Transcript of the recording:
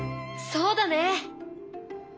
そうだね！